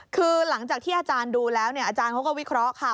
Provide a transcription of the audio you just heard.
คือหลังจากที่อาจารย์ดูแล้วอาจารย์เขาก็วิเคราะห์ค่ะ